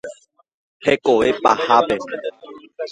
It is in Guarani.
Hekove pahápe.